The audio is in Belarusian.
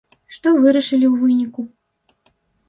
Што вырашылі ў выніку?